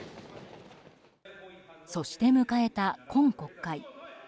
そして迎えた今国会。